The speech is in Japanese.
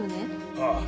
ああ。